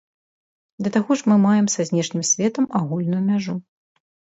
Да таго ж мы маем са знешнім светам агульную мяжу.